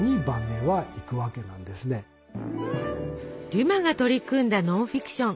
デュマが取り組んだノンフィクション。